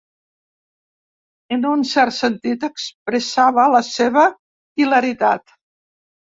En un cert sentit, expressava la seva hilaritat.